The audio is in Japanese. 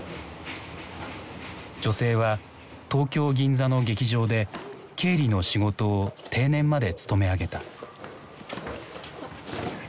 女性は東京・銀座の劇場で経理の仕事を定年まで勤め上げた。